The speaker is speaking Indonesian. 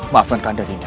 maafkan kakak dinda